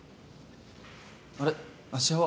あれ芦屋は？